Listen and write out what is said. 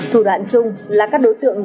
thủ đoạn chung là các đối tượng